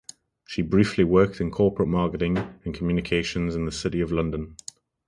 She briefly worked in corporate marketing and communications in the City of London.